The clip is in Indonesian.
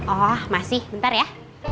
oh masih bentar ya